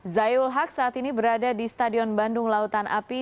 zayul haq saat ini berada di stadion bandung lautan api